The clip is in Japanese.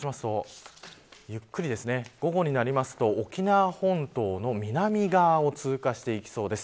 ゆっくり、午後になると沖縄本島の南側を通過していきそうです。